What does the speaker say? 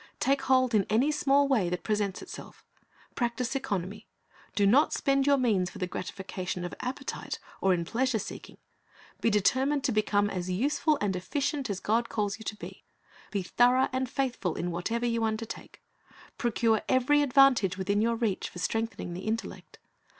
Take hold in any small way that presents itself Practise economy. ' Do not spend your means for the gratification of appetite, or in pleasure seeking. Be determined to become as useful and efficient as God calls you to be. Be thorough and faithful in whatever you undertake. Procure every advantage within your reach for strengthening the intellect.